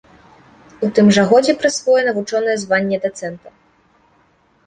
У тым жа годзе прысвоена вучонае званне дацэнта.